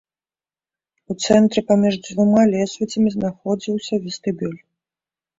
У цэнтры паміж дзвюма лесвіцамі знаходзіўся вестыбюль.